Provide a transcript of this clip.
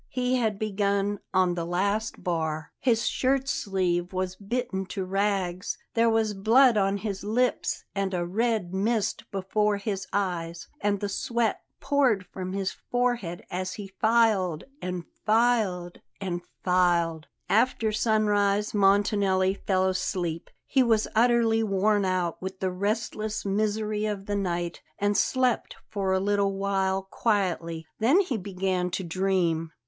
He had begun on the last bar. His shirt sleeve was bitten to rags; there was blood on his lips and a red mist before his eyes, and the sweat poured from his forehead as he filed, and filed, and filed After sunrise Montanelli fell asleep. He was utterly worn out with the restless misery of the night and slept for a little while quietly; then he began to dream.